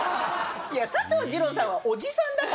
いや佐藤二朗さんはおじさんだから。